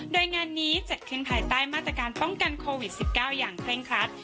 โดยงานนี้จัดขึ้นภายใต้มาตรการป้องกันโควิด๑๙อย่างเคร่งครัด